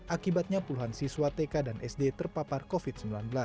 akibatnya puluhan siswa tk dan sd terpapar covid sembilan belas